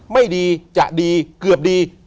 ไม่ดีจะดีเกือบดี